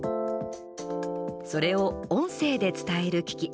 それを音声で伝える機器。